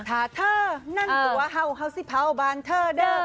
ถ้าเธอนั่นตัวเห่าสิเผาบ้านเธอเด้อ